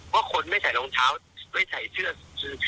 ว่าคนไม่ใส่รองเท้าไม่ใส่เสื้อ